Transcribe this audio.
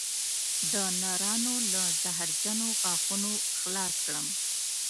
د نرانو له زهرجنو غاښونو خلاص کړم